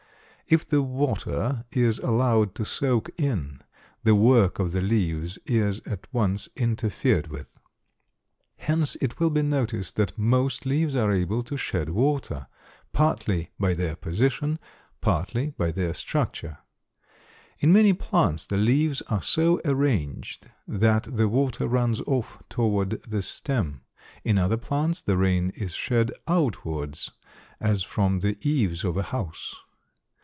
If the water is allowed to soak in, the work of the leaves is at once interfered with. Hence it will be noticed that most leaves are able to shed water, partly by their position, partly by their structure. In many plants the leaves are so arranged that the water runs off toward the stem; in other plants the rain is shed outwards as from the eaves of a house.